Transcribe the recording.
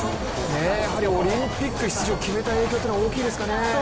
やはりオリンピック出場決めた影響というのは大きいですかね？